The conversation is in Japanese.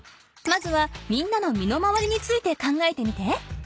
まずはみんなの身の回りについて考えてみて。